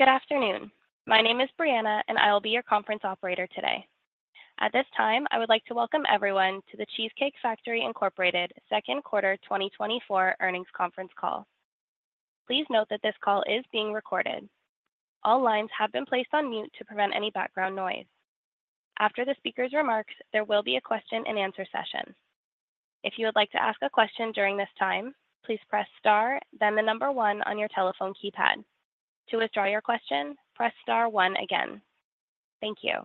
Good afternoon. My name is Brianna, and I'll be your conference operator today. At this time, I would like to welcome everyone to the Cheesecake Factory Incorporated Q2 2024 earnings conference call. Please note that this call is being recorded. All lines have been placed on mute to prevent any background noise. After the speaker's remarks, there will be a question and answer session. If you would like to ask a question during this time, please press star, then the number one on your telephone keypad. To withdraw your question, press star one again. Thank you.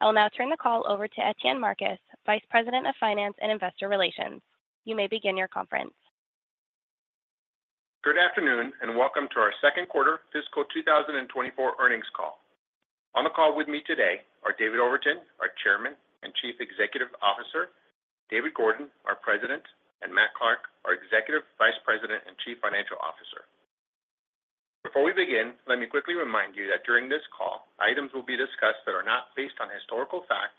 I will now turn the call over to Etienne Marcus, Vice President of Finance and Investor Relations. You may begin your conference. Good afternoon and welcome to our Q2 fiscal 2024 earnings call. On the call with me today are David Overton, our Chairman and Chief Executive Officer, David Gordon, our President, and Matt Clark, our Executive Vice President and Chief Financial Officer. Before we begin, let me quickly remind you that during this call, items will be discussed that are not based on historical fact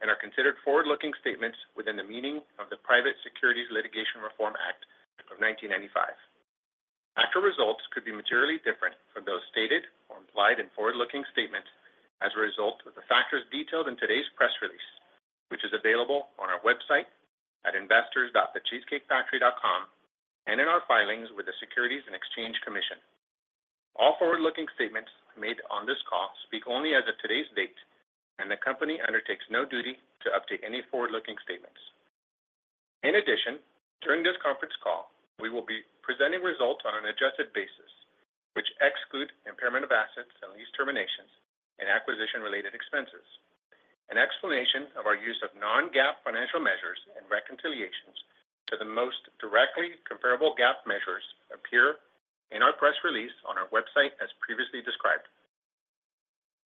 and are considered forward-looking statements within the meaning of the Private Securities Litigation Reform Act of 1995. Actual results could be materially different from those stated or implied in forward-looking statements as a result of the factors detailed in today's press release, which is available on our website at investors.thecheesecakefactory.com and in our filings with the Securities and Exchange Commission. All forward-looking statements made on this call speak only as of today's date, and the company undertakes no duty to update any forward-looking statements. In addition, during this conference call, we will be presenting results on an adjusted basis, which exclude impairment of assets and lease terminations and acquisition-related expenses. An explanation of our use of non-GAAP financial measures and reconciliations to the most directly comparable GAAP measures appears in our press release on our website as previously described.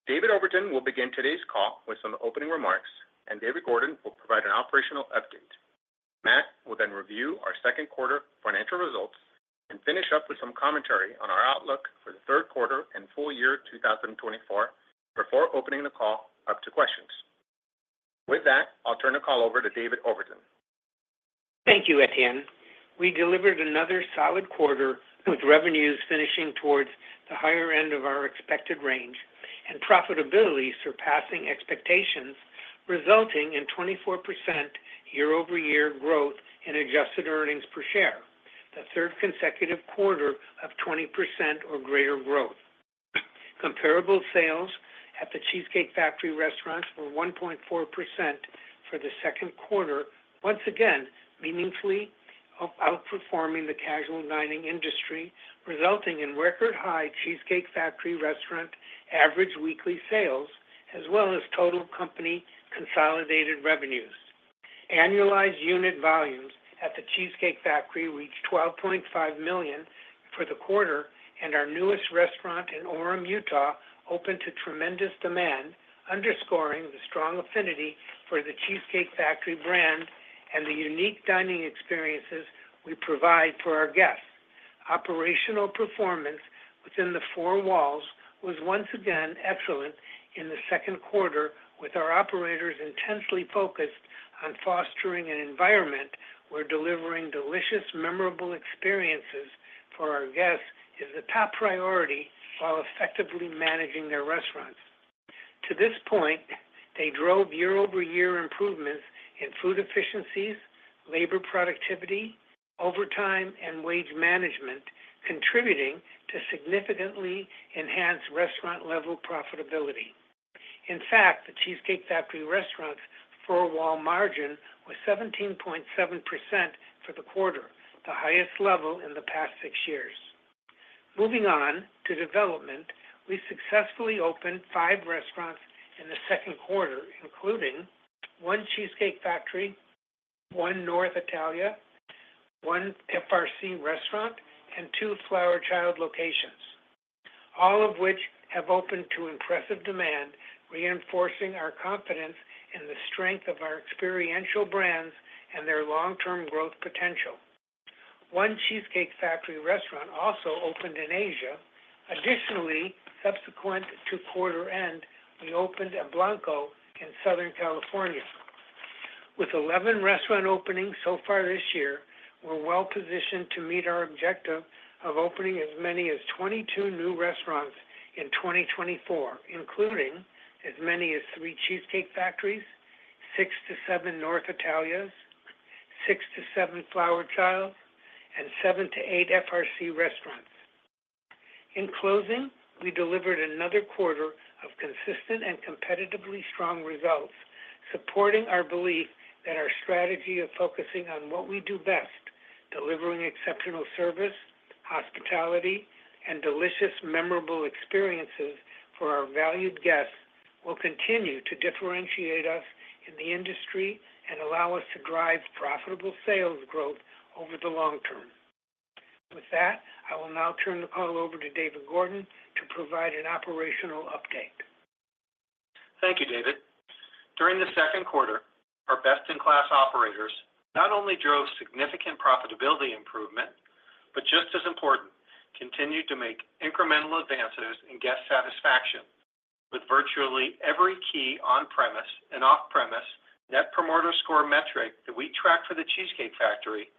David Overton will begin today's call with some opening remarks, and David Gordon will provide an operational update. Matt will then review our Q2 financial results and finish up with some commentary on our outlook for the Q3 and full year 2024 before opening the call up to questions. With that, I'll turn the call over to David Overton. Thank you, Etienne. We delivered another solid quarter with revenues finishing towards the higher end of our expected range and profitability surpassing expectations, resulting in 24% year-over-year growth in adjusted earnings per share, the third consecutive quarter of 20% or greater growth. Comparable sales at The Cheesecake Factory restaurants were 1.4% for the Q2, once again meaningfully outperforming the casual dining industry, resulting in record-high Cheesecake Factory restaurant average weekly sales as well as total company consolidated revenues. Annualized unit volumes at The Cheesecake Factory reached 12.5 million for the quarter, and our newest restaurant in Orem, Utah, opened to tremendous demand, underscoring the strong affinity for The Cheesecake Factory brand and the unique dining experiences we provide for our guests. Operational performance within the four walls was once again excellent in the Q2, with our operators intensely focused on fostering an environment where delivering delicious, memorable experiences for our guests is the top priority while effectively managing their restaurants. To this point, they drove year-over-year improvements in food efficiencies, labor productivity, overtime, and wage management, contributing to significantly enhanced restaurant-level profitability. In fact, the Cheesecake Factory restaurant's four-wall margin was 17.7% for the quarter, the highest level in the past six years. Moving on to development, we successfully opened five restaurants in the Q2, including one Cheesecake Factory, one North Italia, one FRC restaurant, and two Flower Child locations, all of which have opened to impressive demand, reinforcing our confidence in the strength of our experiential brands and their long-term growth potential. One Cheesecake Factory restaurant also opened in Asia. Additionally, subsequent to quarter-end, we opened a Blanco in Southern California. With 11 restaurant openings so far this year, we're well positioned to meet our objective of opening as many as 22 new restaurants in 2024, including as many as 3 Cheesecake Factories, 6-7 North Italias, 6-7 Flower Child, and 7-8 FRC restaurants. In closing, we delivered another quarter of consistent and competitively strong results, supporting our belief that our strategy of focusing on what we do best, delivering exceptional service, hospitality, and delicious, memorable experiences for our valued guests, will continue to differentiate us in the industry and allow us to drive profitable sales growth over the long term. With that, I will now turn the call over to David Gordon to provide an operational update. Thank you, David. During the Q2, our best-in-class operators not only drove significant profitability improvement but, just as important, continued to make incremental advances in guest satisfaction with virtually every key on-premise and off-premise Net Promoter Score metric that we tracked for The Cheesecake Factory,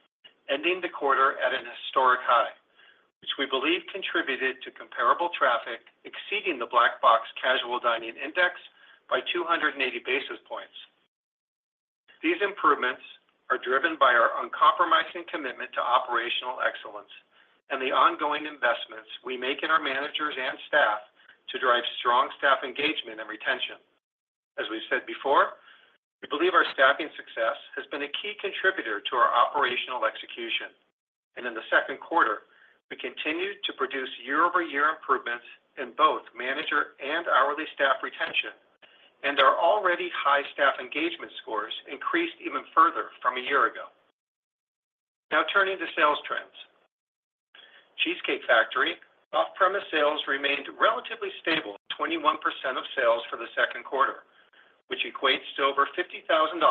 ending the quarter at a historic high, which we believe contributed to comparable traffic exceeding the Black Box Casual Dining Index by 280 basis points. These improvements are driven by our uncompromising commitment to operational excellence and the ongoing investments we make in our managers and staff to drive strong staff engagement and retention. As we've said before, we believe our staffing success has been a key contributor to our operational execution, and in the Q2, we continued to produce year-over-year improvements in both manager and hourly staff retention, and our already high staff engagement scores increased even further from a year ago. Now turning to sales trends, Cheesecake Factory off-premise sales remained relatively stable at 21% of sales for the Q2, which equates to over $50,000 in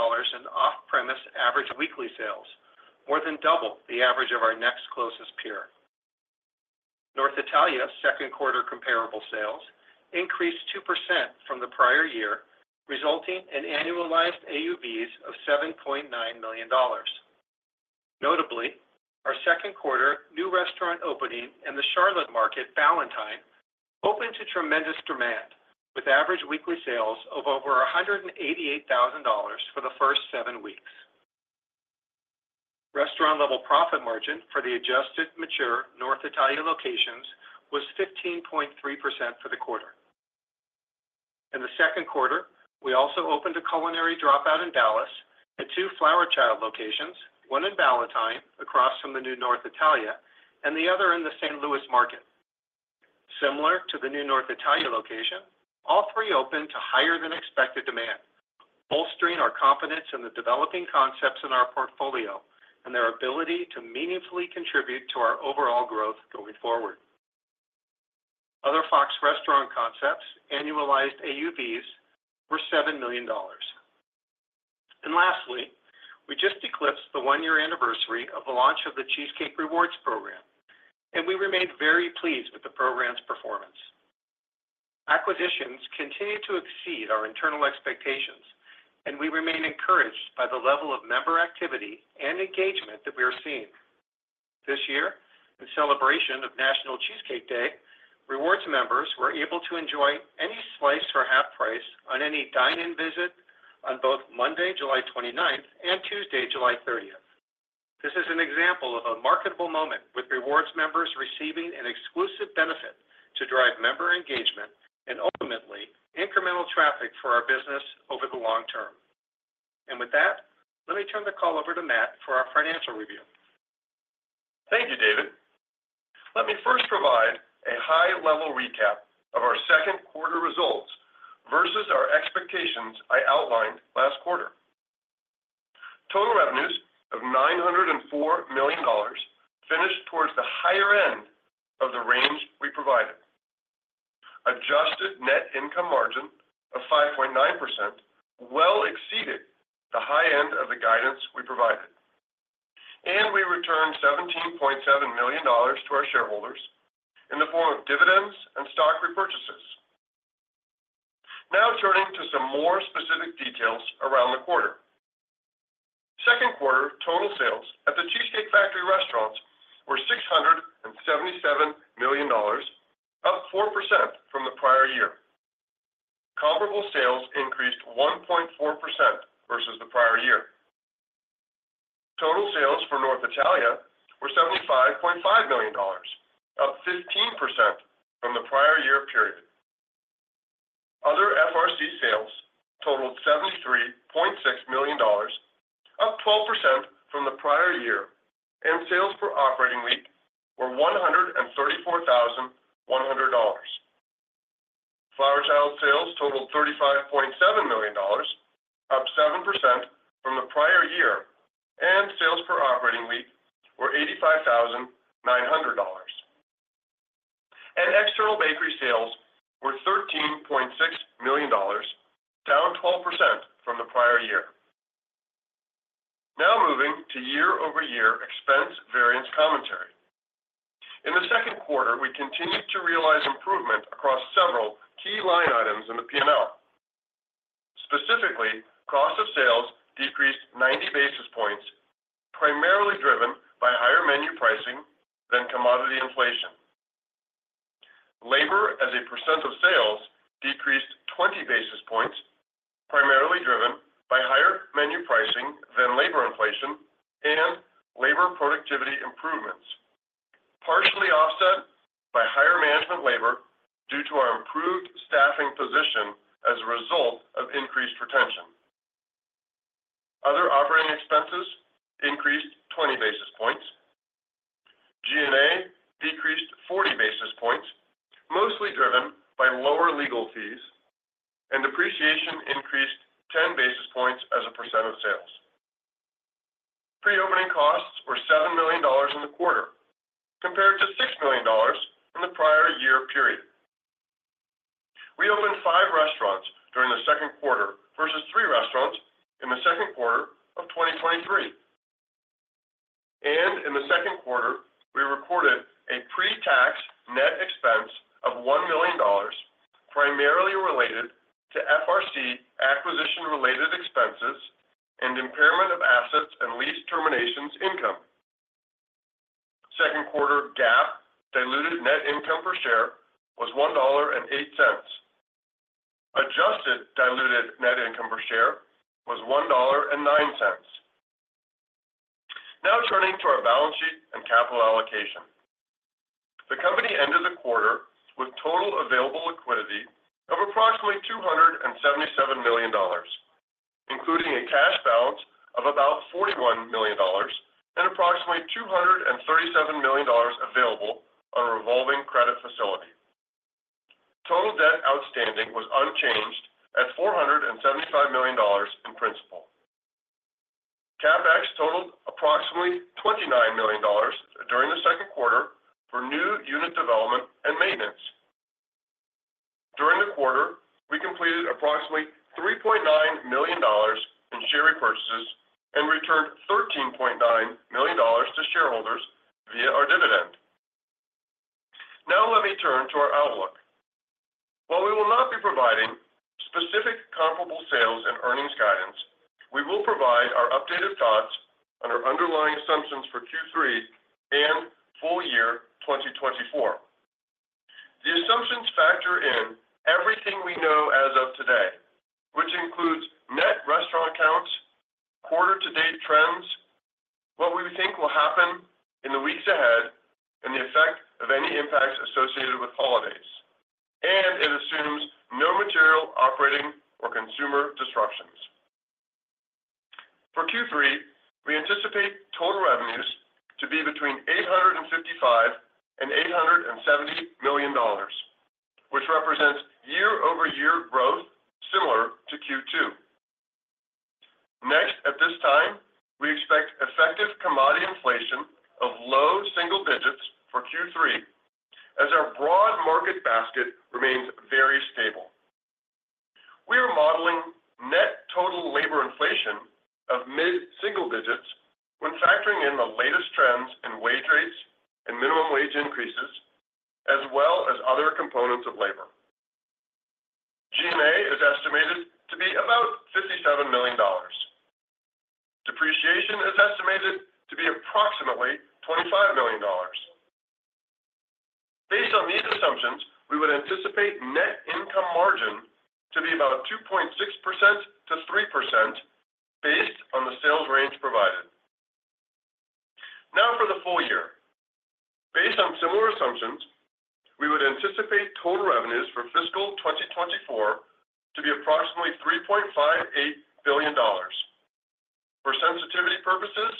off-premise average weekly sales, more than double the average of our next closest peer. North Italia Q2 comparable sales increased 2% from the prior year, resulting in annualized AUVs of $7.9 million. Notably, our Q2 new restaurant opening in the Charlotte market, Ballantyne, opened to tremendous demand, with average weekly sales of over $188,000 for the first seven weeks. Restaurant-level profit margin for the adjusted mature North Italia locations was 15.3% for the quarter. In the Q2, we also opened a Culinary Dropout in Dallas, the two Flower Child locations, one in Ballantyne across from the new North Italia and the other in the St. Louis market. Similar to the new North Italia location, all three opened to higher than expected demand, bolstering our confidence in the developing concepts in our portfolio and their ability to meaningfully contribute to our overall growth going forward. Other Fox restaurant concepts' annualized AUVs were $7 million. And lastly, we just eclipsed the one-year anniversary of the launch of the Cheesecake Rewards program, and we remained very pleased with the program's performance. Acquisitions continue to exceed our internal expectations, and we remain encouraged by the level of member activity and engagement that we are seeing. This year, in celebration of National Cheesecake Day, rewards members were able to enjoy any slice for half price on any dine-in visit on both Monday, July 29th, and Tuesday, July 30th. This is an example of a marketable moment, with rewards members receiving an exclusive benefit to drive member engagement and ultimately incremental traffic for our business over the long term. And with that, let me turn the call over to Matt for our financial review. Thank you, David. Let me first provide a high-level recap of our Q2 results versus our expectations I outlined last quarter. Total revenues of $904 million finished towards the higher end of the range we provided. Adjusted net income margin of 5.9% well exceeded the high end of the guidance we provided, and we returned $17.7 million to our shareholders in the form of dividends and stock repurchases. Now turning to some more specific details around the quarter. Q2 total sales at the Cheesecake Factory restaurants were $677 million, up 4% from the prior year. Comparable sales increased 1.4% versus the prior year. Total sales for North Italia were $75.5 million, up 15% from the prior year period. Other FRC sales totaled $73.6 million, up 12% from the prior year, and sales per operating week were $134,100. Flower Child sales totaled $35.7 million, up 7% from the prior year, and sales per operating week were $85,900. And external bakery sales were $13.6 million, down 12% from the prior year. Now moving to year-over-year expense variance commentary. In the Q2, we continued to realize improvement across several key line items in the P&L. Specifically, cost of sales decreased 90 basis points, primarily driven by higher menu pricing than commodity inflation. Labor as a percent of sales decreased 20 basis points, primarily driven by higher menu pricing than labor inflation and labor productivity improvements, partially offset by higher management labor due to our improved staffing position as a result of increased retention. Other operating expenses increased 20 basis points. G&A decreased 40 basis points, mostly driven by lower legal fees, and depreciation increased 10 basis points as a percent of sales. Pre-opening costs were $7 million in the quarter, compared to $6 million in the prior year period. We opened five restaurants during the Q2 versus three restaurants in the Q2 of 2023. And in the Q2, we recorded a pre-tax net expense of $1 million, primarily related to FRC acquisition-related expenses and impairment of assets and lease terminations income. Q2 GAAP diluted net income per share was $1.08. Adjusted diluted net income per share was $1.09. Now turning to our balance sheet and capital allocation. The company ended the quarter with total available liquidity of approximately $277 million, including a cash balance of about $41 million and approximately $237 million available on a revolving credit facility. Total debt outstanding was unchanged at $475 million in principal. CapEx totaled approximately $29 million during the Q2 for new unit development and maintenance. During the quarter, we completed approximately $3.9 million in share repurchases and returned $13.9 million to shareholders via our dividend. Now let me turn to our outlook. While we will not be providing specific comparable sales and earnings guidance, we will provide our updated thoughts on our underlying assumptions for Q3 and full year 2024. The assumptions factor in everything we know as of today, which includes net restaurant counts, quarter-to-date trends, what we think will happen in the weeks ahead, and the effect of any impacts associated with holidays, and it assumes no material operating or consumer disruptions. For Q3, we anticipate total revenues to be between $855-$870 million, which represents year-over-year growth similar to Q2. Next, at this time, we expect effective commodity inflation of low single digits for Q3, as our broad market basket remains very stable. We are modeling net total labor inflation of mid-single digits when factoring in the latest trends in wage rates and minimum wage increases, as well as other components of labor. G&A is estimated to be about $57 million. Depreciation is estimated to be approximately $25 million. Based on these assumptions, we would anticipate net income margin to be about 2.6%-3% based on the sales range provided. Now for the full year. Based on similar assumptions, we would anticipate total revenues for fiscal 2024 to be approximately $3.58 billion. For sensitivity purposes,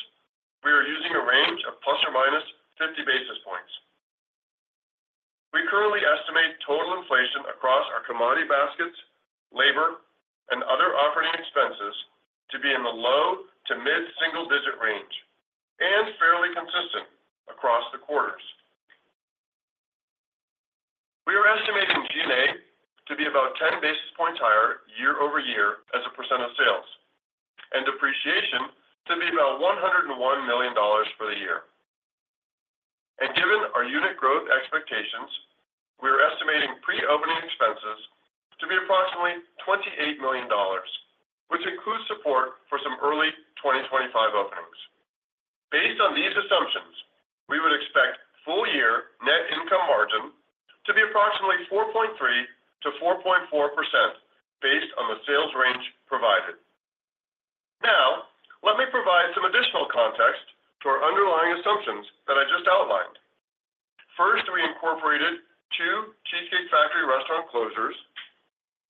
we are using a range of ±50 basis points. We currently estimate total inflation across our commodity baskets, labor, and other operating expenses to be in the low to mid-single digit range and fairly consistent across the quarters. We are estimating G&A to be about 10 basis points higher year-over-year as a percent of sales and depreciation to be about $101 million for the year. Given our unit growth expectations, we are estimating pre-opening expenses to be approximately $28 million, which includes support for some early 2025 openings. Based on these assumptions, we would expect full year net income margin to be approximately 4.3%-4.4% based on the sales range provided. Now, let me provide some additional context to our underlying assumptions that I just outlined. First, we incorporated two Cheesecake Factory restaurant closures,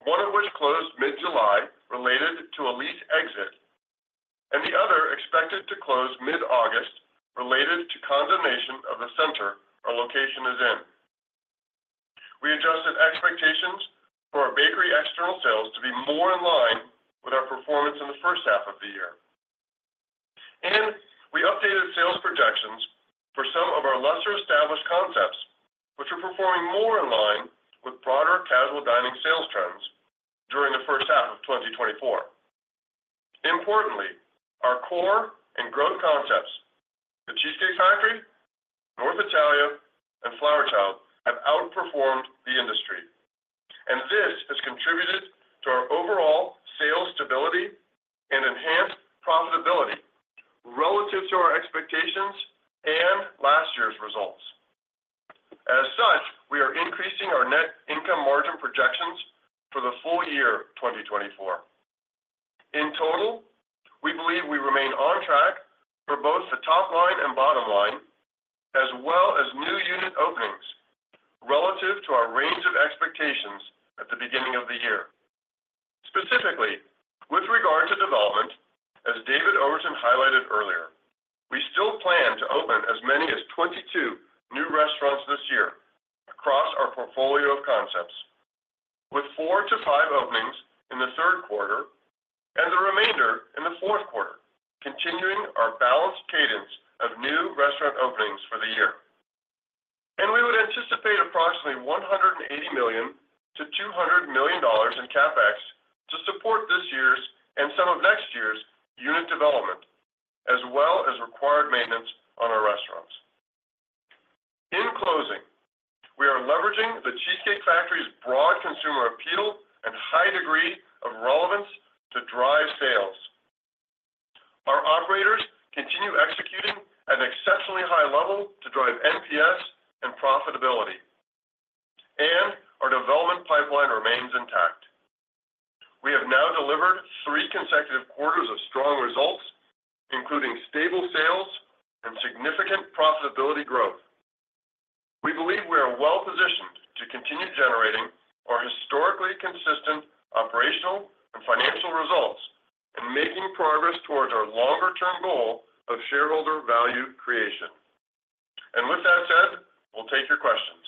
one of which closed mid-July related to a lease exit, and the other expected to close mid-August related to condemnation of the center our location is in. We adjusted expectations for our bakery external sales to be more in line with our performance in the first half of the year. And we updated sales projections for some of our lesser-established concepts, which are performing more in line with broader casual dining sales trends during the first half of 2024. Importantly, our core and growth concepts, the Cheesecake Factory, North Italia, and Flower Child, have outperformed the industry, and this has contributed to our overall sales stability and enhanced profitability relative to our expectations and last year's results. As such, we are increasing our net income margin projections for the full year 2024. In total, we believe we remain on track for both the top line and bottom line, as well as new unit openings relative to our range of expectations at the beginning of the year. Specifically, with regard to development, as David Overton highlighted earlier, we still plan to open as many as 22 new restaurants this year across our portfolio of concepts, with 4-5 openings in the Q3 and the remainder in the Q4, continuing our balanced cadence of new restaurant openings for the year. We would anticipate approximately $180 million-$200 million in CapEx to support this year's and some of next year's unit development, as well as required maintenance on our restaurants. In closing, we are leveraging the Cheesecake Factory's broad consumer appeal and high degree of relevance to drive sales. Our operators continue executing at an exceptionally high level to drive NPS and profitability, and our development pipeline remains intact. We have now delivered three consecutive quarters of strong results, including stable sales and significant profitability growth. We believe we are well-positioned to continue generating our historically consistent operational and financial results and making progress towards our longer-term goal of shareholder value creation. And with that said, we'll take your questions.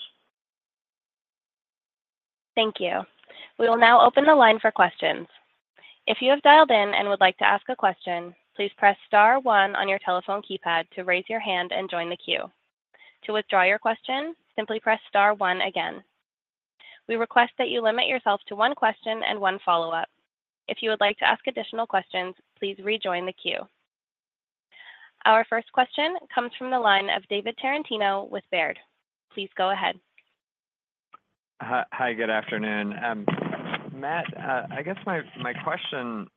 Thank you. We will now open the line for questions. If you have dialed in and would like to ask a question, please press star one on your telephone keypad to raise your hand and join the queue. To withdraw your question, simply press star one again. We request that you limit yourself to one question and one follow-up. If you would like to ask additional questions, please rejoin the queue. Our first question comes from the line of David Tarantino with Baird. Please go ahead. Hi, good afternoon. Matt, I guess my question,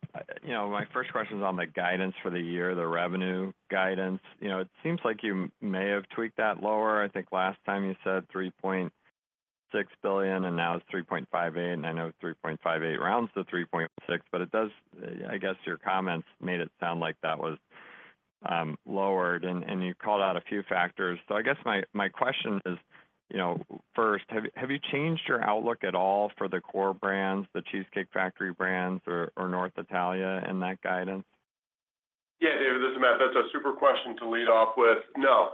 my first question is on the guidance for the year, the revenue guidance. It seems like you may have tweaked that lower. I think last time you said $3.6 billion, and now it's $3.58 billion, and I know $3.58 billion rounds to $3.6 billion, but it does, I guess your comments made it sound like that was lowered, and you called out a few factors. So I guess my question is, first, have you changed your outlook at all for the core brands, the Cheesecake Factory brands or North Italia and that guidance? Yeah, David, this is Matt. That's a super question to lead off with. No.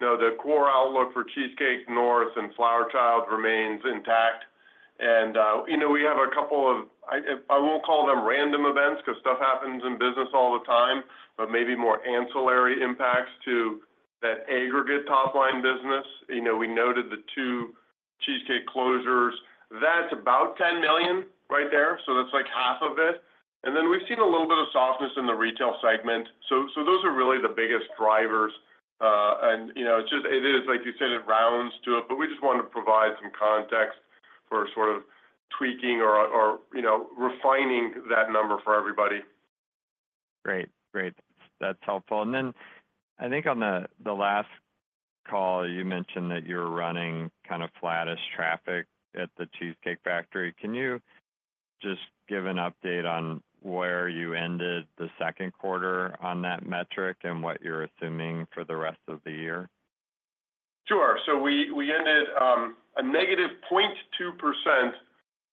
No, the core outlook for North Italia and Flower Child remains intact. We have a couple of, I won't call them random events because stuff happens in business all the time, but maybe more ancillary impacts to that aggregate top-line business. We noted the two Cheesecake closures. That's about $10 million right there, so that's like half of it. We've seen a little bit of softness in the retail segment. Those are really the biggest drivers. It is, like you said, it rounds to it, but we just wanted to provide some context for sort of tweaking or refining that number for everybody. Great. Great. That's helpful. And then I think on the last call, you mentioned that you're running kind of flattish traffic at The Cheesecake Factory. Can you just give an update on where you ended the Q2 on that metric and what you're assuming for the rest of the year? Sure. So we ended -0.2%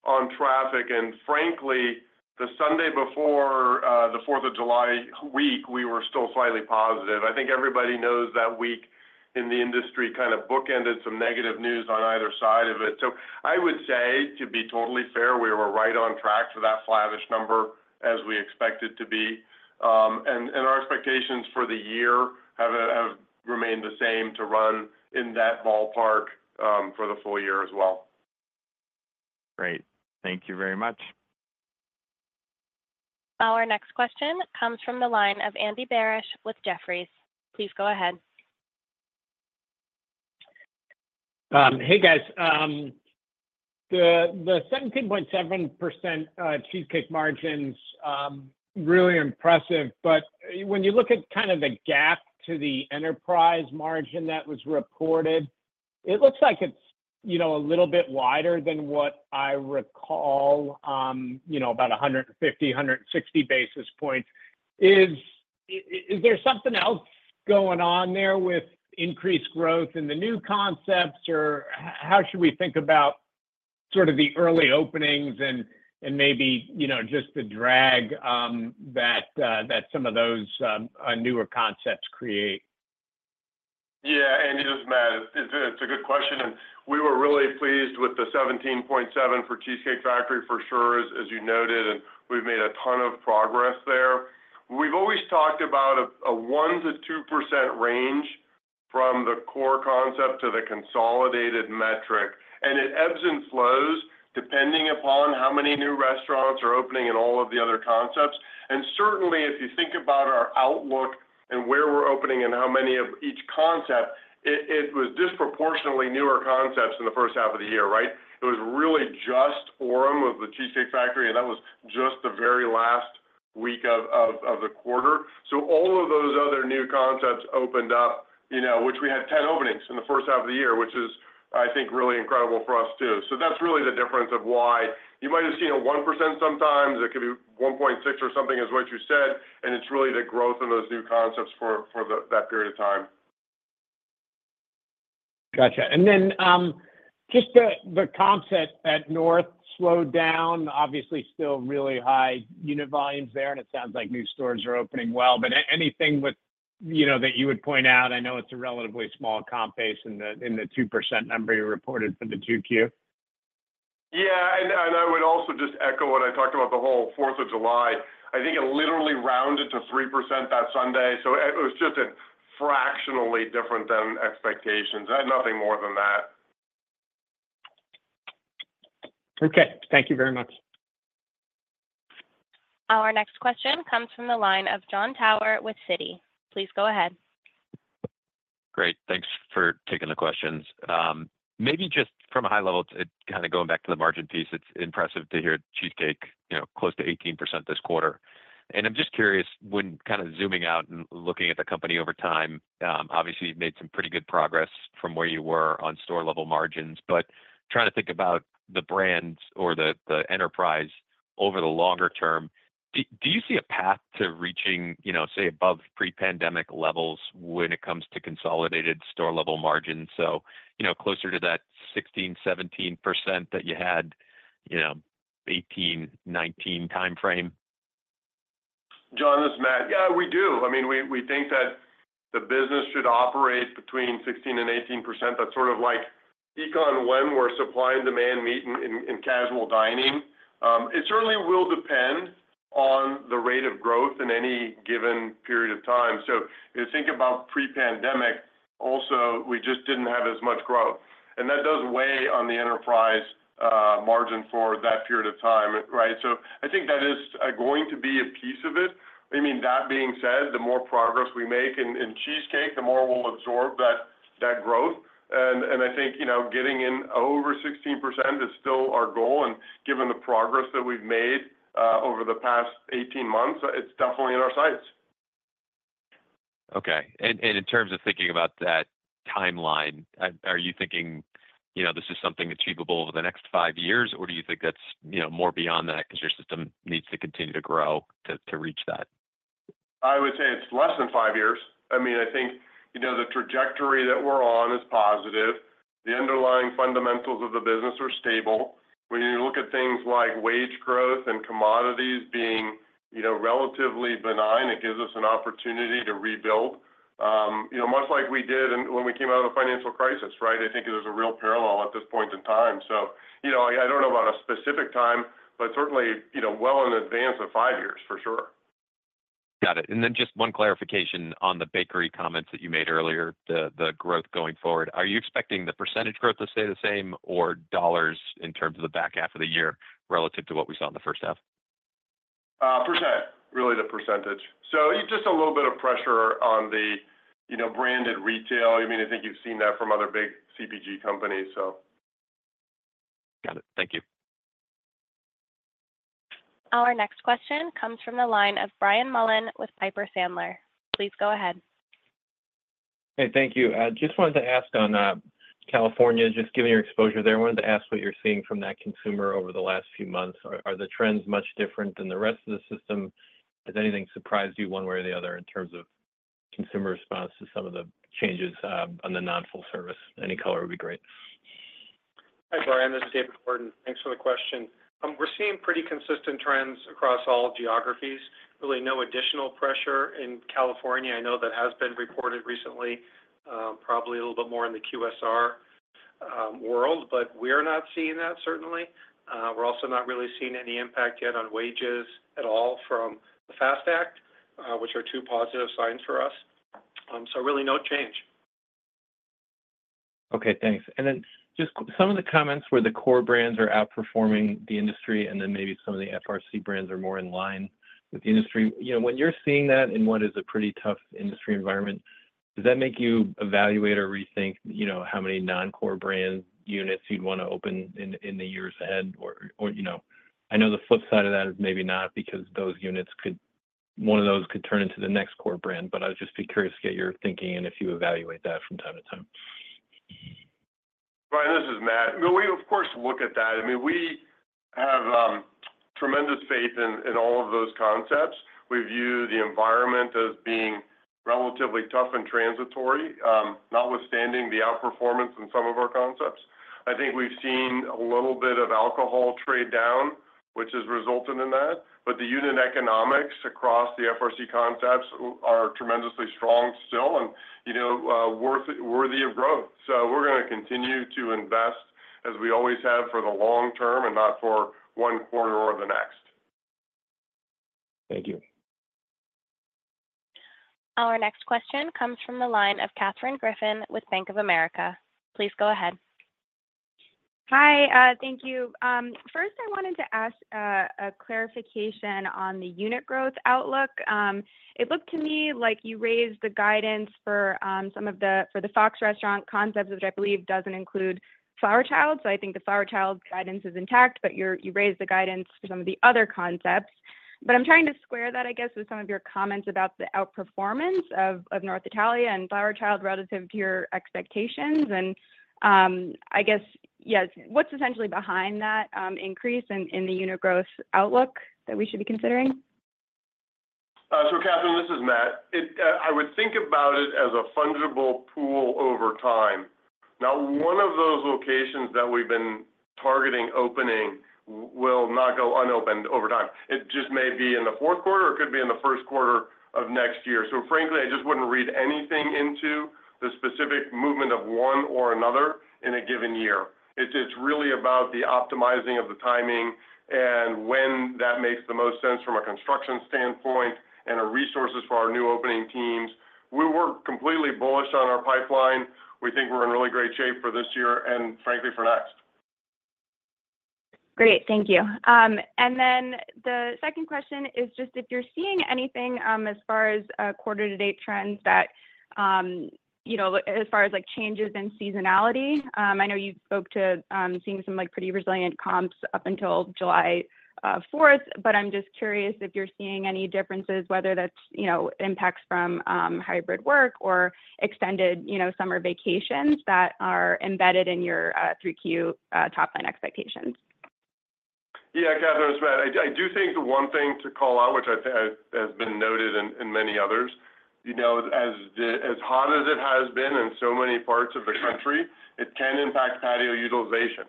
on traffic. And frankly, the Sunday before the 4th of July week, we were still slightly positive. I think everybody knows that week in the industry kind of bookended some negative news on either side of it. So I would say, to be totally fair, we were right on track for that flattish number as we expected to be. And our expectations for the year have remained the same to run in that ballpark for the full year as well. Great. Thank you very much. Our next question comes from the line of Andy Barish with Jefferies. Please go ahead. Hey, guys. The 17.7% Cheesecake margin is really impressive. But when you look at kind of the gap to the enterprise margin that was reported, it looks like it's a little bit wider than what I recall, about 150-160 basis points. Is there something else going on there with increased growth in the new concepts, or how should we think about sort of the early openings and maybe just the drag that some of those newer concepts create? Yeah. Andy and Matt, it's a good question. We were really pleased with the 17.7% for Cheesecake Factory, for sure, as you noted, and we've made a ton of progress there. We've always talked about a 1%-2% range from the core concept to the consolidated metric. It ebbs and flows depending upon how many new restaurants are opening and all of the other concepts. Certainly, if you think about our outlook and where we're opening and how many of each concept, it was disproportionately newer concepts in the first half of the year, right? It was really just Orem of the Cheesecake Factory, and that was just the very last week of the quarter. So all of those other new concepts opened up, which we had 10 openings in the first half of the year, which is, I think, really incredible for us too. So that's really the difference of why you might have seen a 1% sometimes. It could be 1.6% or something, as what you said, and it's really the growth of those new concepts for that period of time. Gotcha. And then just the comp set at North slowed down, obviously still really high unit volumes there, and it sounds like new stores are opening well. But anything that you would point out? I know it's a relatively small comp base in the 2% number you reported for the Q2. Yeah. And I would also just echo what I talked about the whole 4th of July. I think it literally rounded to 3% that Sunday. So it was just fractionally different than expectations, nothing more than that. Okay. Thank you very much. Our next question comes from the line of Jon Tower with Citi. Please go ahead. Great. Thanks for taking the questions. Maybe just from a high level, kind of going back to the margin piece, it's impressive to hear Cheesecake close to 18% this quarter. I'm just curious, when kind of zooming out and looking at the company over time, obviously you've made some pretty good progress from where you were on store-level margins, but trying to think about the brands or the enterprise over the longer term, do you see a path to reaching, say, above pre-pandemic levels when it comes to consolidated store-level margins, so closer to that 16%-17% that you had 2018-2019 timeframe? John, this is Matt. Yeah, we do. I mean, we think that the business should operate between 16% and 18%. That's sort of like equilibrium, where supply and demand meet in casual dining. It certainly will depend on the rate of growth in any given period of time. So if you think about pre-pandemic, also, we just didn't have as much growth. And that does weigh on the enterprise margin for that period of time, right? So I think that is going to be a piece of it. I mean, that being said, the more progress we make in Cheesecake, the more we'll absorb that growth. And I think getting in over 16% is still our goal. And given the progress that we've made over the past 18 months, it's definitely in our sights. Okay. In terms of thinking about that timeline, are you thinking this is something achievable over the next five years, or do you think that's more beyond that because your system needs to continue to grow to reach that? I would say it's less than five years. I mean, I think the trajectory that we're on is positive. The underlying fundamentals of the business are stable. When you look at things like wage growth and commodities being relatively benign, it gives us an opportunity to rebuild, much like we did when we came out of the financial crisis, right? I think there's a real parallel at this point in time. So I don't know about a specific time, but certainly well in advance of five years, for sure. Got it. Then just one clarification on the bakery comments that you made earlier, the growth going forward. Are you expecting the percentage growth to stay the same or dollars in terms of the back half of the year relative to what we saw in the first half? %, really the percentage. So just a little bit of pressure on the branded retail. I mean, I think you've seen that from other big CPG companies, so. Got it. Thank you. Our next question comes from the line of Brian Mullen with Piper Sandler. Please go ahead. Hey, thank you. I just wanted to ask on California, just given your exposure there, I wanted to ask what you're seeing from that consumer over the last few months. Are the trends much different than the rest of the system? Has anything surprised you one way or the other in terms of consumer response to some of the changes on the non-full service? Any color would be great. Hi, Brian. This is David Gordon. Thanks for the question. We're seeing pretty consistent trends across all geographies. Really no additional pressure in California. I know that has been reported recently, probably a little bit more in the QSR world, but we are not seeing that, certainly. We're also not really seeing any impact yet on wages at all from the FAST Act, which are two positive signs for us. So really no change. Okay. Thanks. Then just some of the comments where the core brands are outperforming the industry and then maybe some of the FRC brands are more in line with the industry. When you're seeing that in what is a pretty tough industry environment, does that make you evaluate or rethink how many non-core brand units you'd want to open in the years ahead? Or I know the flip side of that is maybe not because those units could—one of those could turn into the next core brand, but I'd just be curious to get your thinking and if you evaluate that from time to time. Brian, this is Matt. We of course look at that. I mean, we have tremendous faith in all of those concepts. We view the environment as being relatively tough and transitory, notwithstanding the outperformance in some of our concepts. I think we've seen a little bit of alcohol trade down, which has resulted in that. But the unit economics across the FRC concepts are tremendously strong still and worthy of growth. So we're going to continue to invest as we always have for the long term and not for one quarter or the next. Thank you. Our next question comes from the line of Catherine Griffin with Bank of America. Please go ahead. Hi. Thank you. First, I wanted to ask a clarification on the unit growth outlook. It looked to me like you raised the guidance for some of the Fox Restaurant Concepts, which I believe doesn't include Flower Child. So I think the Flower Child guidance is intact, but you raised the guidance for some of the other concepts. But I'm trying to square that, I guess, with some of your comments about the outperformance of North Italia and Flower Child relative to your expectations. And I guess, yes, what's essentially behind that increase in the unit growth outlook that we should be considering? So, Catherine, this is Matt. I would think about it as a fungible pool over time. Now, one of those locations that we've been targeting opening will not go unopened over time. It just may be in the Q4 or it could be in the Q1 of next year. So frankly, I just wouldn't read anything into the specific movement of one or another in a given year. It's really about the optimizing of the timing and when that makes the most sense from a construction standpoint and resources for our new opening teams. We were completely bullish on our pipeline. We think we're in really great shape for this year and frankly for next. Great. Thank you. And then the second question is just if you're seeing anything as far as quarter-to-date trends that, as far as changes in seasonality. I know you spoke to seeing some pretty resilient comps up until July 4th, but I'm just curious if you're seeing any differences, whether that's impacts from hybrid work or extended summer vacations that are embedded in your Q3 top-line expectations. Yeah. Catherine, it's Matt. I do think the one thing to call out, which has been noted in many others, as hot as it has been in so many parts of the country, it can impact patio utilization,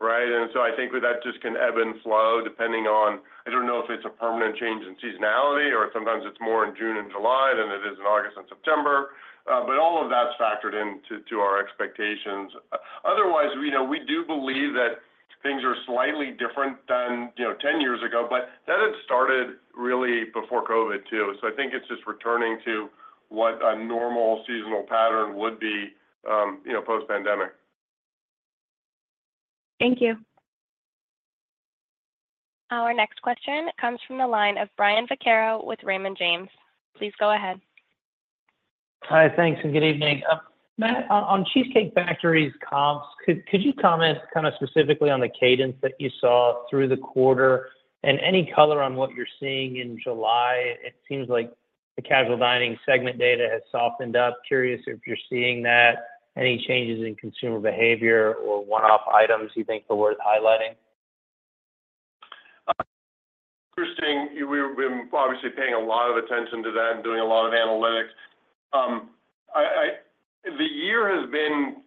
right? And so I think that just can ebb and flow depending on—I don't know if it's a permanent change in seasonality or sometimes it's more in June and July than it is in August and September. But all of that's factored into our expectations. Otherwise, we do believe that things are slightly different than 10 years ago, but that had started really before COVID too. So I think it's just returning to what a normal seasonal pattern would be post-pandemic. Thank you. Our next question comes from the line of Brian Vaccaro with Raymond James. Please go ahead. Hi. Thanks. Good evening. Matt, on Cheesecake Factory's comps, could you comment kind of specifically on the cadence that you saw through the quarter and any color on what you're seeing in July? It seems like the casual dining segment data has softened up. Curious if you're seeing that, any changes in consumer behavior or one-off items you think are worth highlighting? Christine, we've been obviously paying a lot of attention to that and doing a lot of analytics. The year has been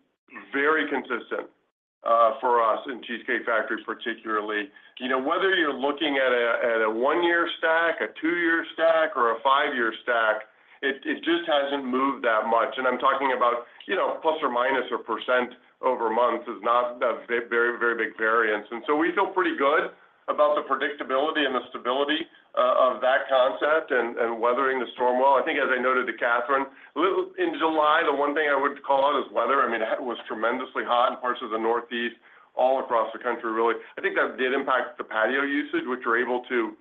very consistent for us in Cheesecake Factory, particularly. Whether you're looking at a 1-year stack, a 2-year stack, or a 5-year stack, it just hasn't moved that much. I'm talking about ±1% over months is not a very big variance. So we feel pretty good about the predictability and the stability of that concept and weathering the storm well. I think, as I noted to Catherine, in July, the one thing I would call out is weather. I mean, it was tremendously hot in parts of the Northeast, all across the country, really. I think that did impact the patio usage, which we're able to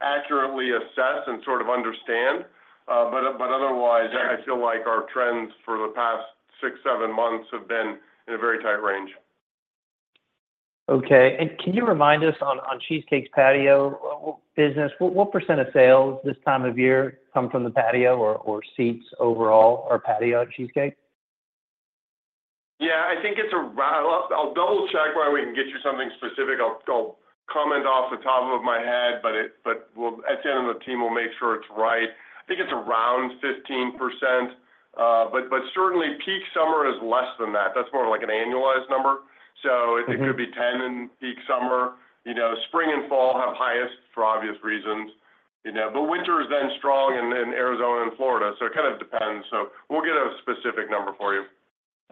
accurately assess and sort of understand. But otherwise, I feel like our trends for the past 6, 7 months have been in a very tight range. Okay. And can you remind us on Cheesecake's patio business, what % of sales this time of year come from the patio or seats overall or patio at Cheesecake? Yeah. I think it's a—I'll double-check while we can get you something specific. I'll comment off the top of my head, but at the end of the team, we'll make sure it's right. I think it's around 15%. But certainly, peak summer is less than that. That's more like an annualized number. So it could be 10% in peak summer. Spring and fall have highest for obvious reasons. But winter is then strong in Arizona and Florida. So it kind of depends. So we'll get a specific number for you.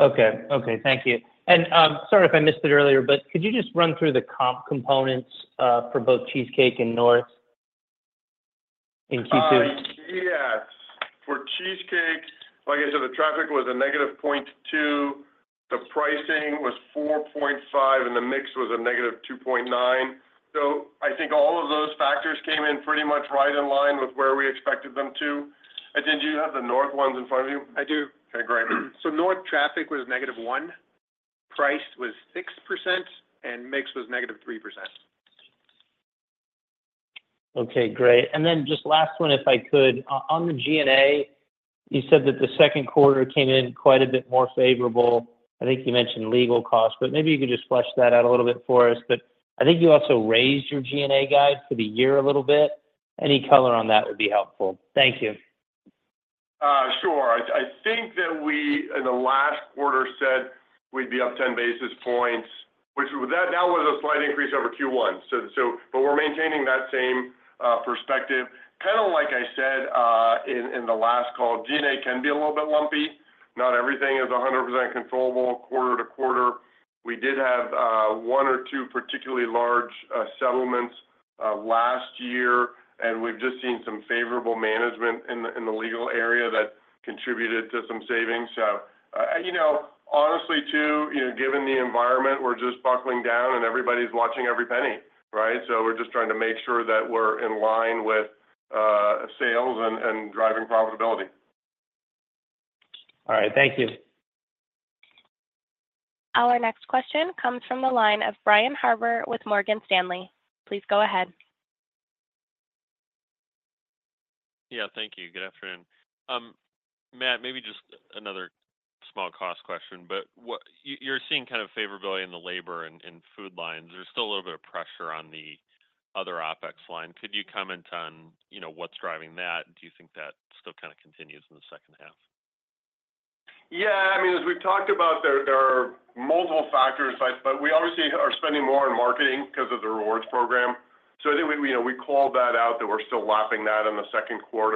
Okay. Okay. Thank you. Sorry if I missed it earlier, but could you just run through the comp components for both Cheesecake and North in Q2? Yes. For Cheesecake, like I said, the traffic was a negative 0.2. The pricing was 4.5, and the mix was a negative 2.9. So I think all of those factors came in pretty much right in line with where we expected them to. And did you have the North ones in front of you? I do. Okay. Great. North traffic was negative 1%. Price was 6%, and mix was negative 3%. Okay. Great. And then just last one, if I could. On the G&A, you said that the Q2 came in quite a bit more favorable. I think you mentioned legal costs, but maybe you could just flesh that out a little bit for us. But I think you also raised your G&A guide for the year a little bit. Any color on that would be helpful. Thank you. Sure. I think that we in the last quarter said we'd be up 10 basis points, which was a slight increase over Q1. But we're maintaining that same perspective. Kind of like I said in the last call, G&A can be a little bit lumpy. Not everything is 100% controllable quarter to quarter. We did have one or two particularly large settlements last year, and we've just seen some favorable management in the legal area that contributed to some savings. So honestly, too, given the environment, we're just buckling down, and everybody's watching every penny, right? So we're just trying to make sure that we're in line with sales and driving profitability. All right. Thank you. Our next question comes from the line of Brian Harbor with Morgan Stanley. Please go ahead. Yeah. Thank you. Good afternoon. Matt, maybe just another small cost question, but you're seeing kind of favorability in the labor and food lines. There's still a little bit of pressure on the other OPEX line. Could you comment on what's driving that? Do you think that still kind of continues in the second half? Yeah. I mean, as we've talked about, there are multiple factors, but we obviously are spending more on marketing because of the rewards program. So I think we called that out that we're still lapping that in the Q2.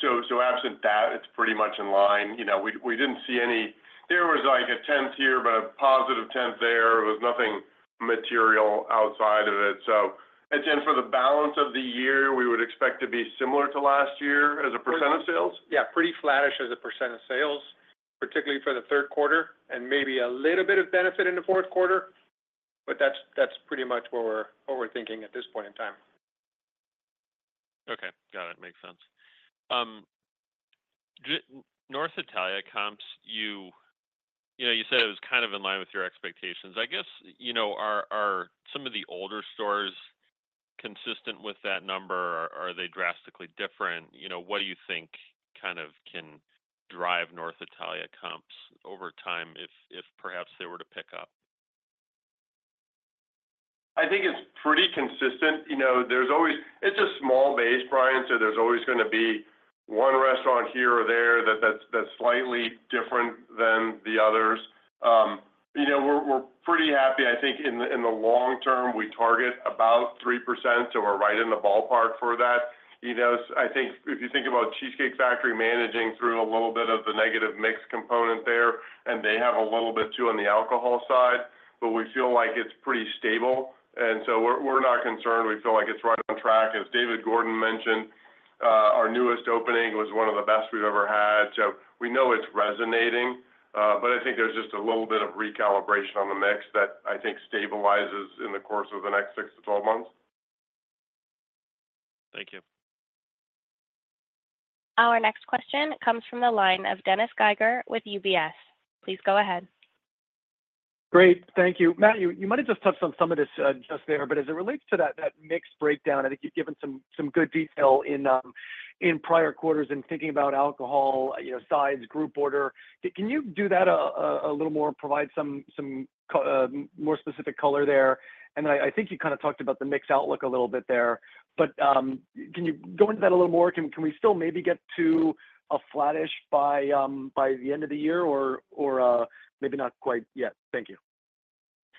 So absent that, it's pretty much in line. We didn't see any. There was like a tenth here, but a positive tenth there. It was nothing material outside of it. So again, for the balance of the year, we would expect to be similar to last year as a % of sales? Yeah. Pretty flattish as a % of sales, particularly for the Q3, and maybe a little bit of benefit in the Q4, but that's pretty much what we're thinking at this point in time. Okay. Got it. Makes sense. North Italia comps, you said it was kind of in line with your expectations. I guess, are some of the older stores consistent with that number? Are they drastically different? What do you think kind of can drive North Italia comps over time if perhaps they were to pick up? I think it's pretty consistent. It's a small base, Brian, so there's always going to be one restaurant here or there that's slightly different than the others. We're pretty happy. I think in the long term, we target about 3%, so we're right in the ballpark for that. I think if you think about Cheesecake Factory managing through a little bit of the negative mix component there, and they have a little bit too on the alcohol side, but we feel like it's pretty stable. And so we're not concerned. We feel like it's right on track. As David Gordon mentioned, our newest opening was one of the best we've ever had. So we know it's resonating, but I think there's just a little bit of recalibration on the mix that I think stabilizes in the course of the next 6 to 12 months. Thank you. Our next question comes from the line of Dennis Geiger with UBS. Please go ahead. Great. Thank you. Matt, you might have just touched on some of this just there, but as it relates to that mix breakdown, I think you've given some good detail in prior quarters in thinking about alcohol, sides, group order. Can you do that a little more and provide some more specific color there? And I think you kind of talked about the mix outlook a little bit there, but can you go into that a little more? Can we still maybe get to a flattish by the end of the year or maybe not quite yet? Thank you.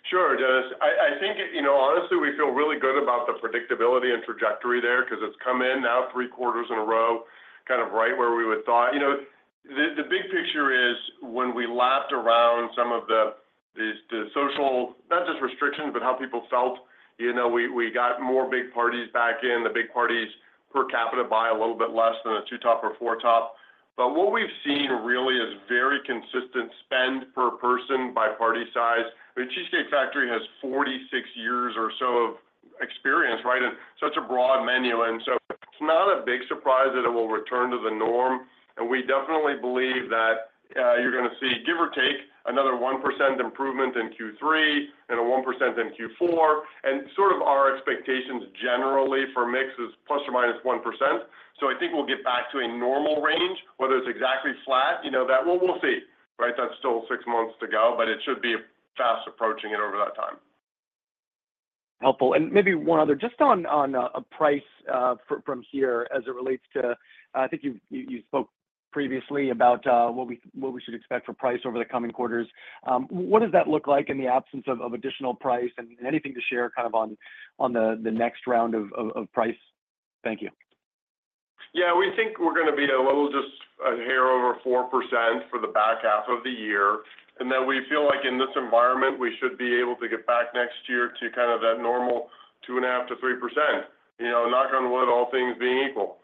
Sure, Dennis. I think honestly, we feel really good about the predictability and trajectory there because it's come in now three quarters in a row, kind of right where we would thought. The big picture is when we lapped around some of the social, not just restrictions, but how people felt, we got more big parties back in. The big parties per capita buy a little bit less than a two-top or four-top. But what we've seen really is very consistent spend per person by party size. I mean, Cheesecake Factory has 46 years or so of experience, right? And such a broad menu. And so it's not a big surprise that it will return to the norm. And we definitely believe that you're going to see, give or take, another 1% improvement in Q3 and a 1% in Q4. Sort of our expectations generally for mix is ±1%. I think we'll get back to a normal range, whether it's exactly flat, that we'll see, right? That's still six months to go, but it should be fast approaching it over that time. Helpful. Maybe one other, just on pricing from here as it relates to—I think you spoke previously about what we should expect for pricing over the coming quarters. What does that look like in the absence of additional pricing and anything to share kind of on the next round of pricing? Thank you. Yeah. We think we're going to be at a little just a hair over 4% for the back half of the year. And then we feel like in this environment, we should be able to get back next year to kind of that normal 2.5%-3%, knock on wood, all things being equal.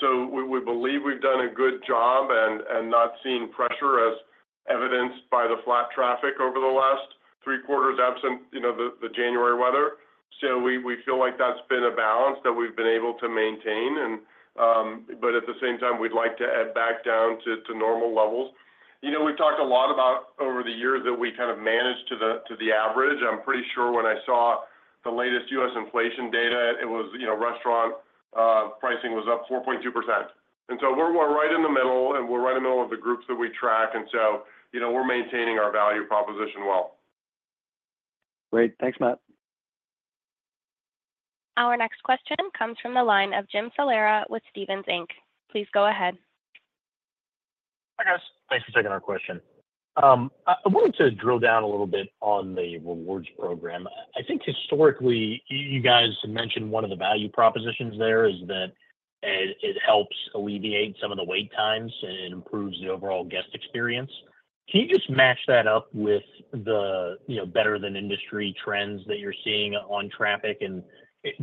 So we believe we've done a good job and not seen pressure as evidenced by the flat traffic over the last three quarters absent the January weather. So we feel like that's been a balance that we've been able to maintain. But at the same time, we'd like to head back down to normal levels. We've talked a lot about over the years that we kind of managed to the average. I'm pretty sure when I saw the latest U.S. inflation data, it was restaurant pricing was up 4.2%. We're right in the middle, and we're right in the middle of the groups that we track. We're maintaining our value proposition well. Great. Thanks, Matt. Our next question comes from the line of Jim Salera with Stephens Inc. Please go ahead. Hi, guys. Thanks for taking our question. I wanted to drill down a little bit on the rewards program. I think historically, you guys mentioned one of the value propositions there is that it helps alleviate some of the wait times and improves the overall guest experience. Can you just match that up with the better-than-industry trends that you're seeing on traffic? And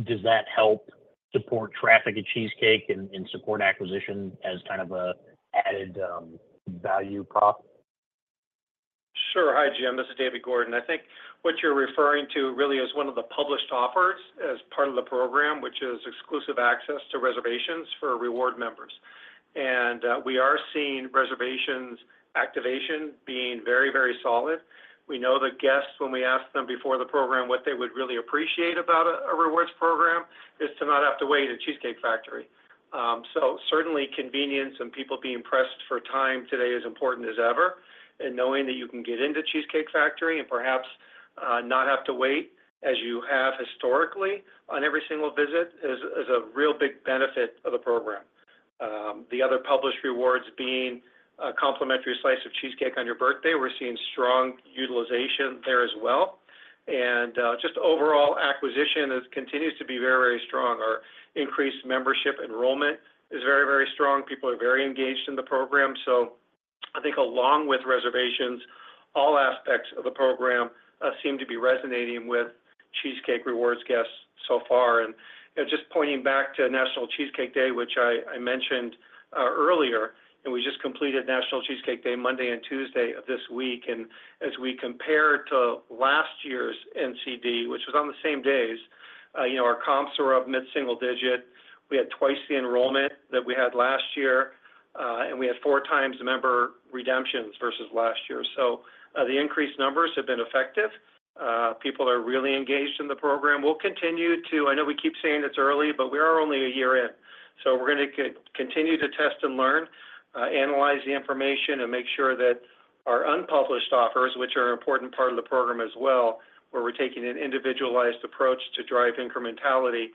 does that help support traffic at Cheesecake and support acquisition as kind of an added value prop? Sure. Hi, Jim. This is David Gordon. I think what you're referring to really is one of the published offers as part of the program, which is exclusive access to reservations for reward members. We are seeing reservations activation being very, very solid. We know the guests, when we ask them before the program what they would really appreciate about a rewards program, is to not have to wait at Cheesecake Factory. Certainly, convenience and people being pressed for time today is important as ever. Knowing that you can get into Cheesecake Factory and perhaps not have to wait as you have historically on every single visit is a real big benefit of the program. The other published rewards being a complimentary slice of cheesecake on your birthday, we're seeing strong utilization there as well. Just overall acquisition continues to be very, very strong. Our increased membership enrollment is very, very strong. People are very engaged in the program. So I think along with reservations, all aspects of the program seem to be resonating with Cheesecake Rewards guests so far. And just pointing back to National Cheesecake Day, which I mentioned earlier, and we just completed National Cheesecake Day Monday and Tuesday of this week. And as we compare to last year's NCD, which was on the same days, our comps were up mid-single digit. We had twice the enrollment that we had last year, and we had four times member redemptions versus last year. So the increased numbers have been effective. People are really engaged in the program. We'll continue to, I know we keep saying it's early, but we are only a year in. We're going to continue to test and learn, analyze the information, and make sure that our unpublished offers, which are an important part of the program as well, where we're taking an individualized approach to drive incrementality,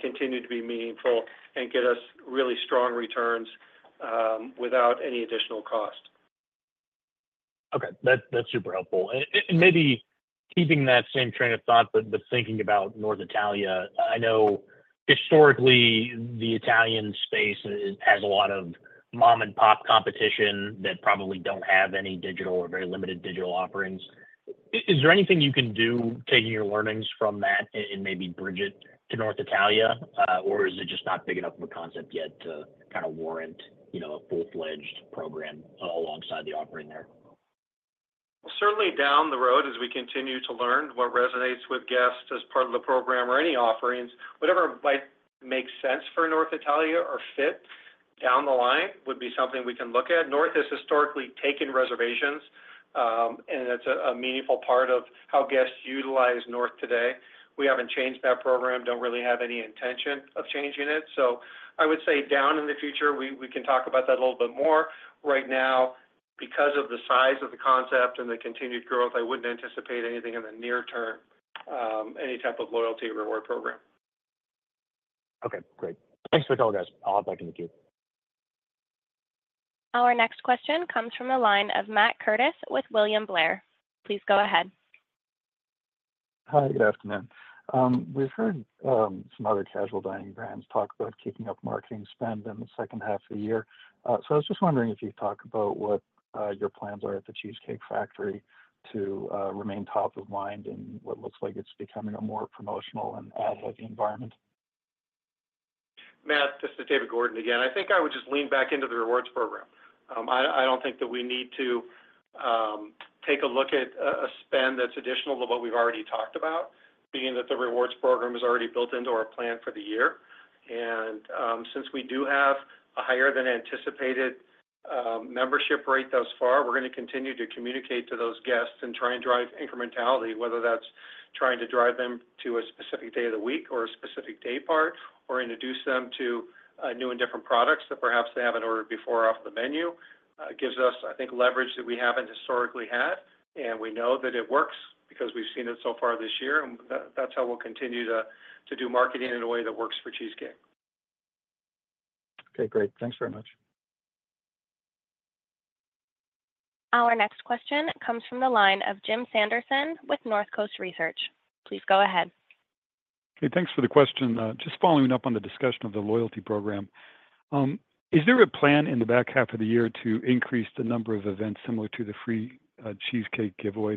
continue to be meaningful and get us really strong returns without any additional cost. Okay. That's super helpful. Maybe keeping that same train of thought, but thinking about North Italia, I know historically the Italian space has a lot of mom-and-pop competition that probably don't have any digital or very limited digital offerings. Is there anything you can do, taking your learnings from that, and maybe bridge it to North Italia? Or is it just not big enough of a concept yet to kind of warrant a full-fledged program alongside the offering there? Certainly down the road, as we continue to learn what resonates with guests as part of the program or any offerings, whatever might make sense for North Italia or fit down the line would be something we can look at. North has historically taken reservations, and it's a meaningful part of how guests utilize North today. We haven't changed that program, don't really have any intention of changing it. So I would say down in the future, we can talk about that a little bit more. Right now, because of the size of the concept and the continued growth, I wouldn't anticipate anything in the near term, any type of loyalty reward program. Okay. Great. Thanks for the call, guys. I'll have back in a few. Our next question comes from the line of Matt Curtis with William Blair. Please go ahead. Hi, good afternoon. We've heard some other casual dining brands talk about keeping up marketing spend in the second half of the year. So I was just wondering if you could talk about what your plans are at the Cheesecake Factory to remain top of mind in what looks like it's becoming a more promotional and ad-heavy environment? Matt, this is David Gordon again. I think I would just lean back into the rewards program. I don't think that we need to take a look at a spend that's additional to what we've already talked about, being that the rewards program is already built into our plan for the year. Since we do have a higher-than-anticipated membership rate thus far, we're going to continue to communicate to those guests and try and drive incrementality, whether that's trying to drive them to a specific day of the week or a specific day part, or introduce them to new and different products that perhaps they haven't ordered before off the menu. It gives us, I think, leverage that we haven't historically had. We know that it works because we've seen it so far this year. That's how we'll continue to do marketing in a way that works for Cheesecake. Okay. Great. Thanks very much. Our next question comes from the line of Jim Sanderson with North Coast Research. Please go ahead. Okay. Thanks for the question. Just following up on the discussion of the loyalty program, is there a plan in the back half of the year to increase the number of events similar to the free cheesecake giveaway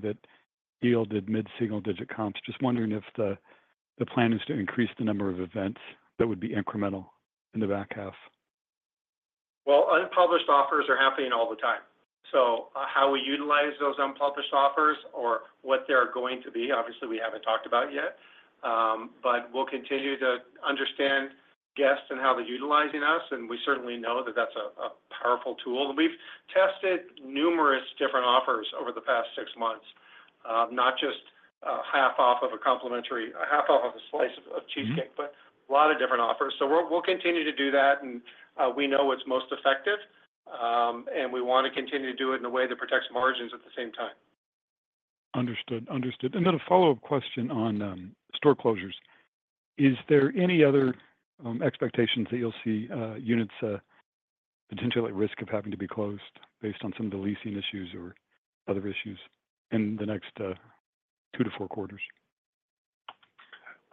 that yielded mid-single digit comps? Just wondering if the plan is to increase the number of events that would be incremental in the back half. Well, unpublished offers are happening all the time. So how we utilize those unpublished offers or what they're going to be, obviously, we haven't talked about yet. But we'll continue to understand guests and how they're utilizing us. And we certainly know that that's a powerful tool. And we've tested numerous different offers over the past six months, not just half off of a complimentary half off of a slice of cheesecake, but a lot of different offers. So we'll continue to do that. And we know what's most effective. And we want to continue to do it in a way that protects margins at the same time. Understood. Understood. And then a follow-up question on store closures. Is there any other expectations that you'll see units potentially at risk of having to be closed based on some of the leasing issues or other issues in the next 2 to 4 quarters?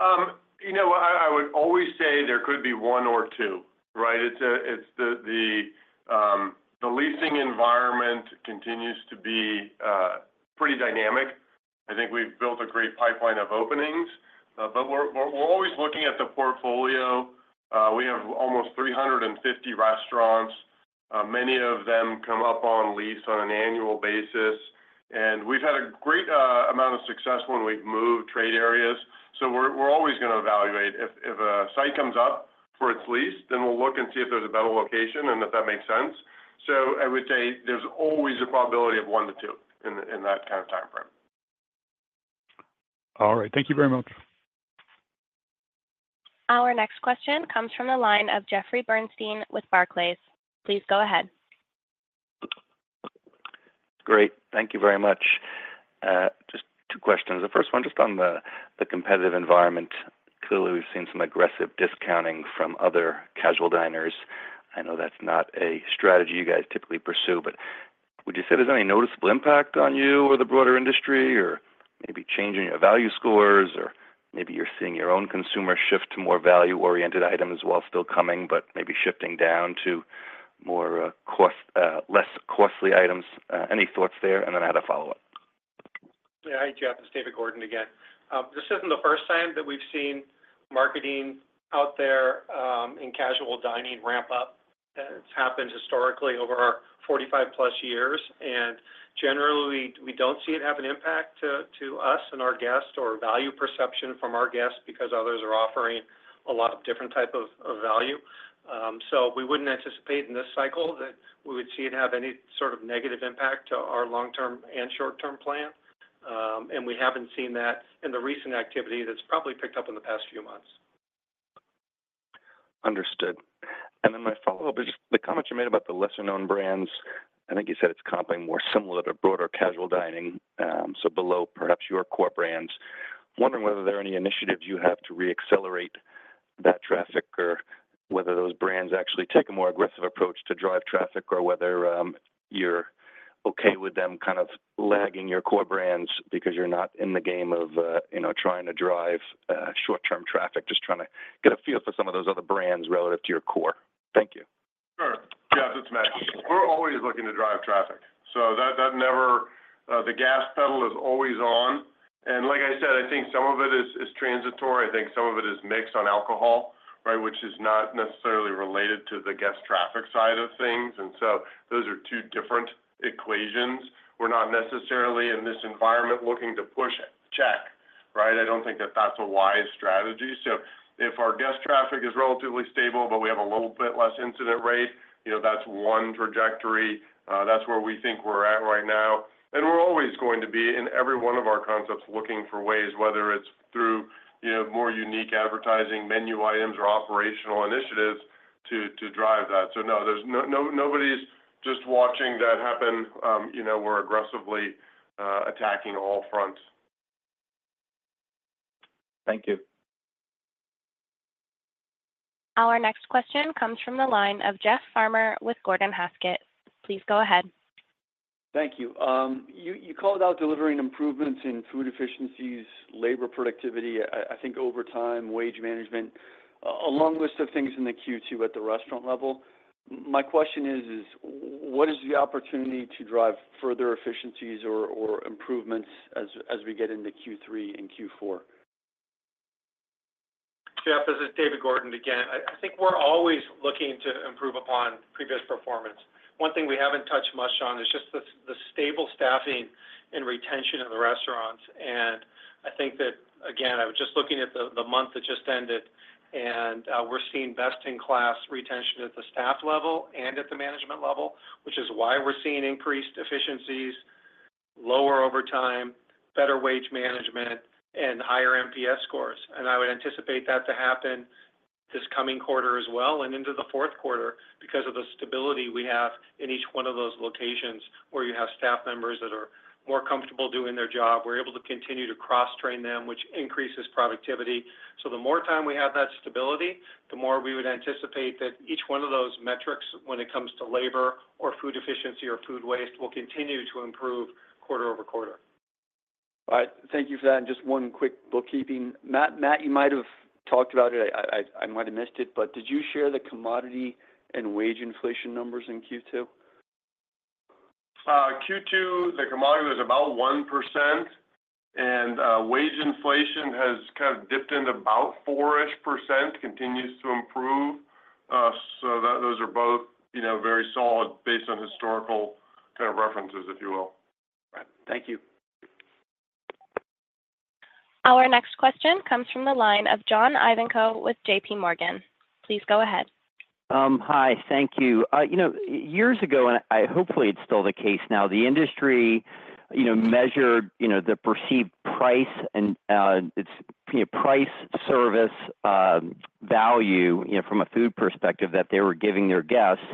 I would always say there could be 1 or 2, right? The leasing environment continues to be pretty dynamic. I think we've built a great pipeline of openings. But we're always looking at the portfolio. We have almost 350 restaurants. Many of them come up on lease on an annual basis. And we've had a great amount of success when we've moved trade areas. So we're always going to evaluate. If a site comes up for its lease, then we'll look and see if there's a better location and if that makes sense. So I would say there's always a probability of 1 to 2 in that kind of time frame. All right. Thank you very much. Our next question comes from the line of Jeffrey Bernstein with Barclays. Please go ahead. Great. Thank you very much. Just two questions. The first one, just on the competitive environment, clearly we've seen some aggressive discounting from other casual diners. I know that's not a strategy you guys typically pursue, but would you say there's any noticeable impact on you or the broader industry or maybe changing your value scores? Or maybe you're seeing your own consumer shift to more value-oriented items while still coming, but maybe shifting down to less costly items? Any thoughts there? And then I had a follow-up. Yeah. Hi, Jeff. It's David Gordon again. This isn't the first time that we've seen marketing out there in casual dining ramp up. It's happened historically over our 45+ years. Generally, we don't see it have an impact to us and our guests or value perception from our guests because others are offering a lot of different types of value. We wouldn't anticipate in this cycle that we would see it have any sort of negative impact to our long-term and short-term plan. We haven't seen that in the recent activity that's probably picked up in the past few months. Understood. Then my follow-up is the comment you made about the lesser-known brands. I think you said it's comping more similar to broader casual dining, so below perhaps your core brands. Wondering whether there are any initiatives you have to re-accelerate that traffic or whether those brands actually take a more aggressive approach to drive traffic or whether you're okay with them kind of lagging your core brands because you're not in the game of trying to drive short-term traffic, just trying to get a feel for some of those other brands relative to your core. Thank you. Sure. Jeff, it's Matt. We're always looking to drive traffic. So the gas pedal is always on. And like I said, I think some of it is transitory. I think some of it is mixed on alcohol, right, which is not necessarily related to the guest traffic side of things. And so those are two different equations. We're not necessarily in this environment looking to push check, right? I don't think that that's a wise strategy. So if our guest traffic is relatively stable, but we have a little bit less incident rate, that's one trajectory. That's where we think we're at right now. And we're always going to be in every one of our concepts looking for ways, whether it's through more unique advertising, menu items, or operational initiatives to drive that. So no, nobody's just watching that happen. We're aggressively attacking all fronts. Thank you. Our next question comes from the line of Jeff Farmer with Gordon Haskett. Please go ahead. Thank you. You called out delivering improvements in food efficiencies, labor productivity, I think over time, wage management, a long list of things in the Q2 at the restaurant level. My question is, what is the opportunity to drive further efficiencies or improvements as we get into Q3 and Q4? Jeff, this is David Gordon again. I think we're always looking to improve upon previous performance. One thing we haven't touched much on is just the stable staffing and retention of the restaurants. And I think that, again, I was just looking at the month that just ended, and we're seeing best-in-class retention at the staff level and at the management level, which is why we're seeing increased efficiencies, lower overtime, better wage management, and higher MPS scores. I would anticipate that to happen this coming quarter as well and into the Q4 because of the stability we have in each one of those locations where you have staff members that are more comfortable doing their job. We're able to continue to cross-train them, which increases productivity. So the more time we have that stability, the more we would anticipate that each one of those metrics when it comes to labor or food efficiency or food waste will continue to improve quarter over quarter. All right. Thank you for that. And just one quick bookkeeping. Matt, you might have talked about it. I might have missed it, but did you share the commodity and wage inflation numbers in Q2? Q2, the commodity was about 1%. And wage inflation has kind of dipped into about 4-ish%, continues to improve. So those are both very solid based on historical kind of references, if you will. Right. Thank you. Our next question comes from the line of John Ivanko with J.P. Morgan. Please go ahead. Hi. Thank you. Years ago, and hopefully it's still the case now, the industry measured the perceived price and its price-service value from a food perspective that they were giving their guests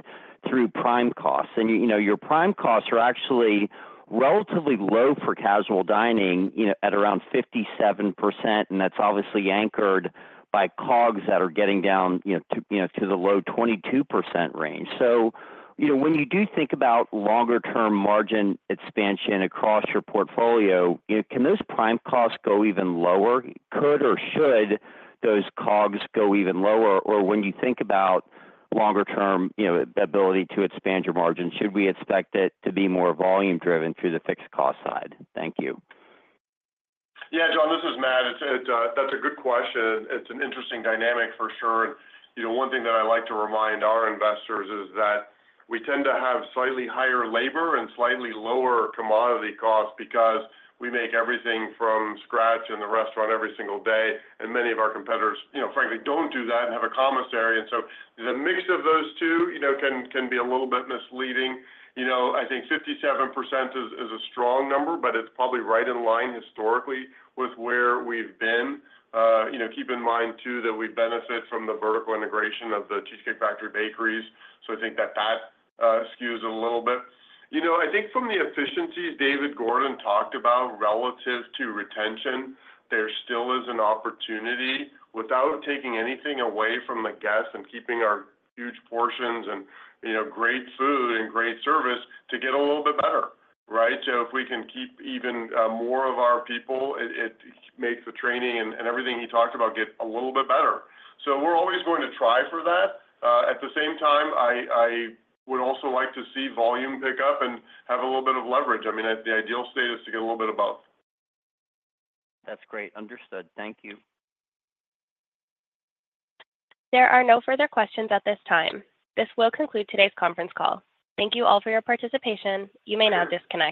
through prime costs. Your prime costs are actually relatively low for casual dining at around 57%. That's obviously anchored by COGS that are getting down to the low 22% range. When you do think about longer-term margin expansion across your portfolio, can those prime costs go even lower? Could or should those COGS go even lower? Or when you think about longer-term ability to expand your margin, should we expect it to be more volume-driven through the fixed cost side? Thank you. Yeah, John, this is Matt. That's a good question. It's an interesting dynamic for sure. And one thing that I like to remind our investors is that we tend to have slightly higher labor and slightly lower commodity costs because we make everything from scratch in the restaurant every single day. And many of our competitors, frankly, don't do that and have a commissary. And so the mix of those two can be a little bit misleading. I think 57% is a strong number, but it's probably right in line historically with where we've been. Keep in mind, too, that we benefit from the vertical integration of the Cheesecake Factory bakeries. So I think that that skews a little bit. I think from the efficiencies David Gordon talked about relative to retention, there still is an opportunity without taking anything away from the guests and keeping our huge portions and great food and great service to get a little bit better, right? So if we can keep even more of our people, it makes the training and everything he talked about get a little bit better. So we're always going to try for that. At the same time, I would also like to see volume pick up and have a little bit of leverage. I mean, the ideal state is to get a little bit of both. That's great. Understood. Thank you. There are no further questions at this time. This will conclude today's conference call. Thank you all for your participation. You may now disconnect.